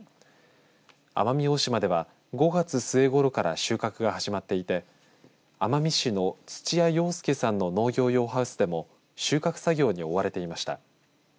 奄美大島では５月末ごろから収穫が始まっていて奄美市の土屋陽輔さんの農業用ハウスでも収穫作業に追われていました。